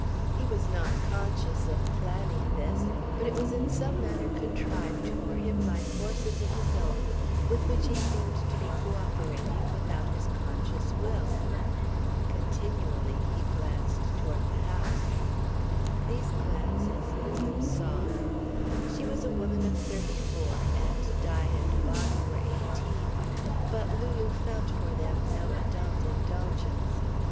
He was not conscious of planning this, but it was in some manner contrived for him by forces of his own with which he seemed to be coöperating without his conscious will. Continually he glanced toward the house. These glances Lulu saw. She was a woman of thirty four and Di and Bobby were eighteen, but Lulu felt for them no adult indulgence.